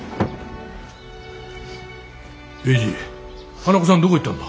花子さんどこ行ったんだ？